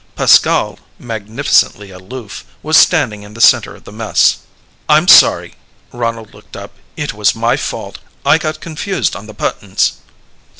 Pascal, magnificently aloof, was standing in the center of the mess. "I'm sorry." Ronald looked up. "It was my fault. I got confused on the buttons."